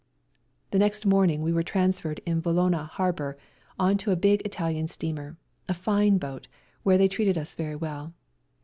The next morning we were transferred in Vallona harbour on to a big Italian steamer, a fine boat, where they treated us very well.